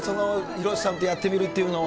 広瀬さんとやってみるっていうのは。